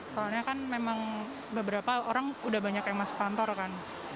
soalnya kan memang beberapa orang udah banyak yang masuk kantor kan